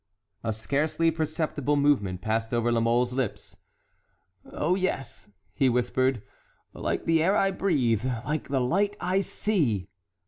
A scarcely perceptible movement passed over La Mole's lips. "Oh, yes!" he whispered, "like the air I breathe, like the light I see!"